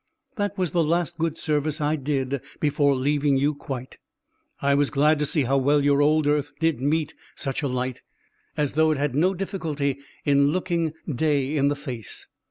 That was the last good service I did before leaving you quite. I was glad to see how well your old earth did meet such a light, as though it had no difficulty in looking day in the face.